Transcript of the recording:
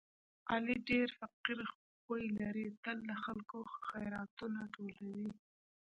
علي ډېر فقیر خوی لري، تل له خلکو خیراتونه ټولوي.